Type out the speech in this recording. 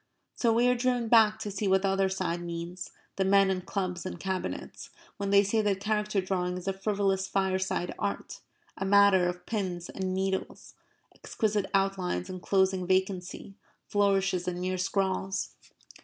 So we are driven back to see what the other side means the men in clubs and Cabinets when they say that character drawing is a frivolous fireside art, a matter of pins and needles, exquisite outlines enclosing vacancy, flourishes, and mere scrawls.